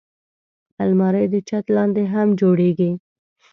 الماري د چت لاندې هم جوړېږي